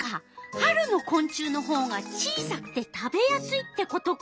春のこん虫のほうが小さくて食べやすいってことか。